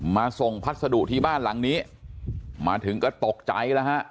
มาส่งพัสดุที่บ้านหลังนี้มาถึงก็ตกใจแล้วฮะ